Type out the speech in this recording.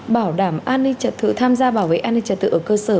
bảo đảm an ninh trật tự tham gia bảo vệ an ninh trật tự ở cơ sở